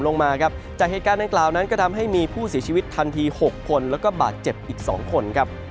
จากเหตุการณ์นั้นก็ทำให้มีผู้เสียชีวิต๖คนและบาดเจ็บอีก๒คน